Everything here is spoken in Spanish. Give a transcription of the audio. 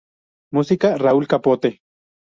Música: Raúl Capote